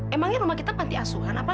emangnya rumah kita pantiasuhan apa